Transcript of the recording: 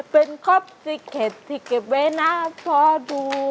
เป็นครอบสิ้นเข็ดที่เก็บไว้หน้าพ่อดู